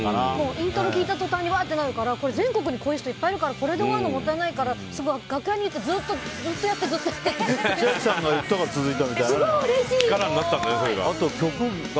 イントロ聴いたとたんにわーってなるから全国にこういう人いっぱいいるからこれで終わるのもったいないから楽屋に行って千秋さんが言ったからすごいうれしい！